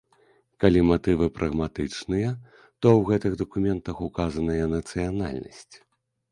Калі матывы прагматычныя, то ў гэтых дакументах указаная нацыянальнасць.